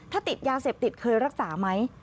ถ้าติดยาเสพติดเคยรักษาไหม